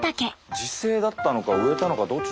自生だったのか植えたのかどっちだろう？